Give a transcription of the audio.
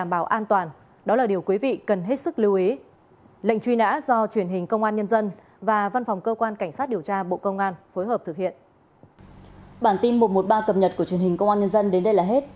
bản tin một trăm một mươi ba cập nhật của truyền hình công an nhân dân đến đây là hết